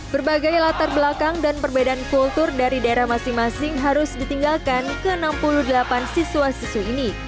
berbagai latar belakang dan perbedaan kultur dari daerah masing masing harus ditinggalkan ke enam puluh delapan siswa siswi ini